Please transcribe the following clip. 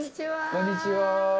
こんにちは。